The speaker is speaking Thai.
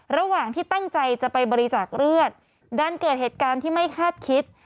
ระหว่างที่ตั้งใจจะไปบริจาคเลือดดันเกิดเหตุการณ์ที่ไม่คาดคิด